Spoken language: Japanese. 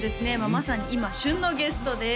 まさに今旬のゲストです